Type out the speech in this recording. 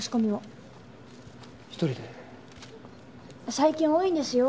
最近多いんですよ。